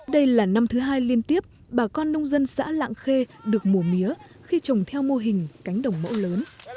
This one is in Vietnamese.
đây là năm thứ hai liên tiếp bà con nông dân xã lạng khê được mùa mía khi trồng theo mô hình cánh đồng mẫu lớn